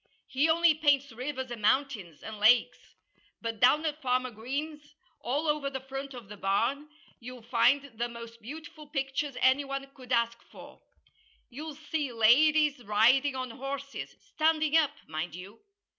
He only paints rivers and mountains, and lakes. But down at Farmer Green's, all over the front of the barn, you'll find the most beautiful pictures anyone could ask for. You'll see ladies riding on horses standing up, mind you!